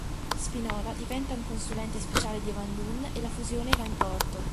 Spinola diventa un consulente speciale di Van Loon e la fusione va in porto.